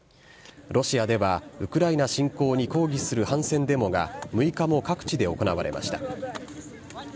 ロシアでは、ウクライナ侵攻に抗議する反戦デモが６日も各地で行われました。